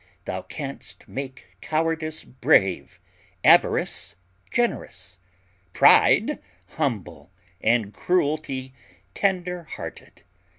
Thou canst make cowardice brave, avarice generous, pride humble, and cruelty tender hearted.